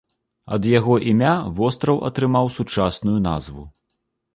Ад яго імя востраў атрымаў сучасную назву.